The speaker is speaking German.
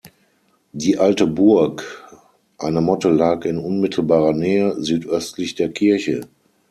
Die alte Burg, eine Motte lag in unmittelbarer Nähe, südöstlich der Kirche.